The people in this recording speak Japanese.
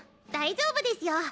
大丈夫ですよ！